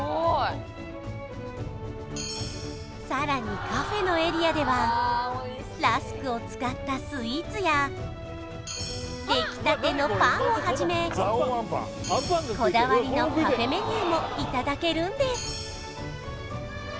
さらにカフェのエリアではラスクを使ったスイーツや出来たてのパンをはじめこだわりのカフェメニューもいただけるんです